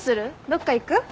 どっか行く？